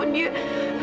bukan cuma itu